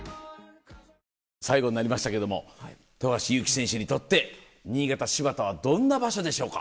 最後になりましたけれども富樫勇樹選手にとって新潟・新発田はどんな場所でしょうか？